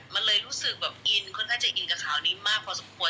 มันเลยรู้สึกแบบอินค่อนข้างจะอินกับข่าวนี้มากพอสมควร